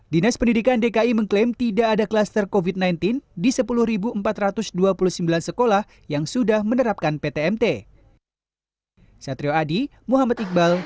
dinas pendidikan dki mengklaim tidak ada kluster covid sembilan belas di sepuluh empat ratus dua puluh sembilan sekolah yang sudah menerapkan ptmt